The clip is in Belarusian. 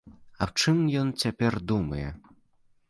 Аб чым ён цяпер думае?